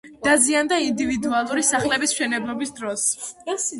დაზიანდა ინდივიდუალური სახლების მშენებლობის დროს.